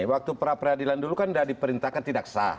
waktu pra peradilan dulu kan sudah diperintahkan tidak sah